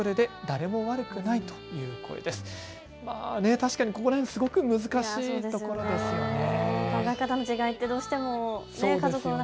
確かにここら辺、すごく難しいところですよね。